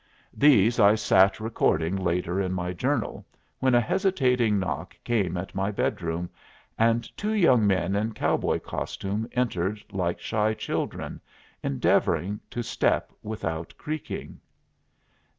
These I sat recording later in my journal, when a hesitating knock came at my bedroom, and two young men in cowboy costume entered like shy children, endeavoring to step without creaking.